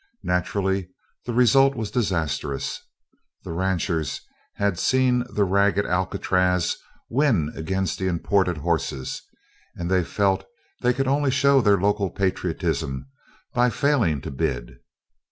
Naturally the result was disastrous. The ranchers had seen the ragged Alcatraz win against the imported horses and they felt they could only show their local patriotism by failing to bid.